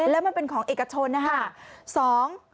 แล้วมันเป็นของเอกชนนะคะ